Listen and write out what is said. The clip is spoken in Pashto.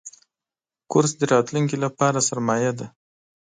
کورس د راتلونکي لپاره سرمایه ده.